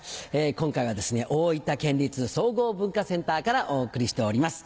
今回はですね大分県立総合文化センターからお送りしております。